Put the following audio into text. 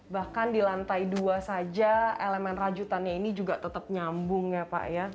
bahkan di lantai dua saja elemen rajutannya ini juga tetap nyambung ya pak ya